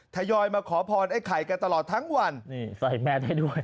ทยอยมาขอพรไอ้ไข่กันตลอดทั้งวันนี่ใส่แมสได้ด้วย